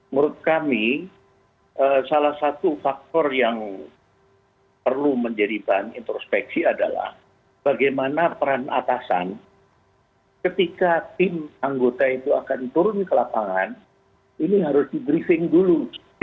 menurut kami salah satu faktor yang perlu menjadi bahan introspeksi adalah bagaimana peran atasan ketika tim anggota itu akan turun ke lapangan ini harus di briefing dulu